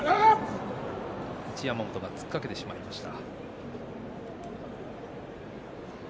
一山本が突っかけてしまいました。